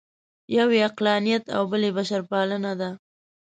یو یې عقلانیت او بل یې بشرپالنه ده.